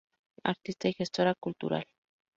Artista y gestora cultural